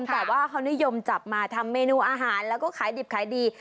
แต่ว่าเขานิยมจับมาทำเมนูอาหารแล้วก็ขายดิบขายดี